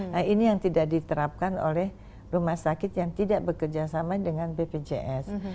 nah ini yang tidak diterapkan oleh rumah sakit yang tidak bekerja sama dengan bpjs